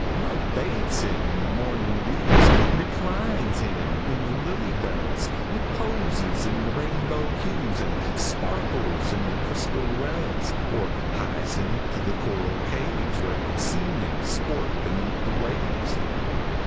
Love bathes him in the morning dews, Reclines him in the lily bells, Reposes in the rainbow hues, And sparkles in the crystal wells, Or hies him to the coral caves, Where sea nymphs sport beneath the waves.